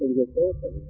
và có ích tốt hơn